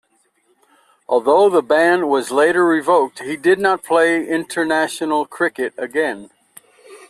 Although the ban was later revoked, he did not play international cricket again.